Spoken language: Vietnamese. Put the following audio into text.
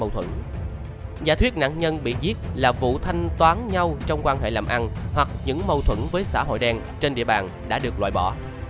giả thuyết nạn nhân bị giết là vụ thanh toán nhau trong quan hệ làm ăn hoặc những mâu thuẫn với xã hội đen trên địa bàn đã được loại bỏ